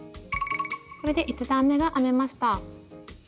これで１段めが編めました。